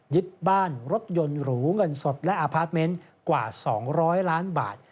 ยึดบ้านรถยนต์หรูเงินสดและอพาร์ทเมนต์กว่า๒๐๐ล้านบาท